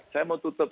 saya mau tutup